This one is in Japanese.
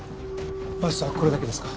バスはこれだけですか？